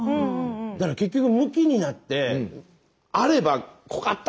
だから結局ムキになってあれば「ここあった！」